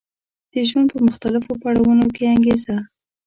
د ژوند په مختلفو پړاوونو کې انګېزه